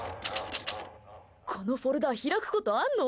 このフォルダ開くことあんの？